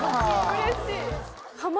うれしい。